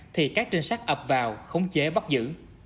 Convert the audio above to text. thì các trinh sát ập vào khống chế bắt giữ